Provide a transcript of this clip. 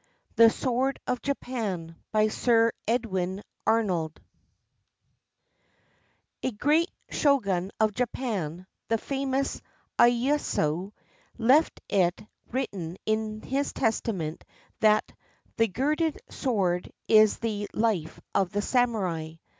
THE SWORD OF JAPAN BY SIR EDWIN ARNOLD A GREAT shogun of Japan, the famous lyeyasu, left it written in his testament that "the girded sword is the life of the samurai."